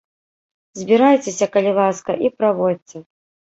Збірайцеся, калі ласка, і праводзьце.